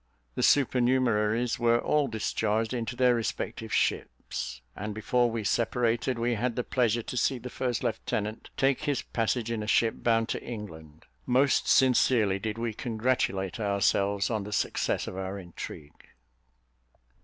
The supernumeraries were all discharged into their respective ships; and before we separated, we had the pleasure to see the first lieutenant take his passage in a ship bound to England. Most sincerely did we congratulate ourselves on the success of our intrigue.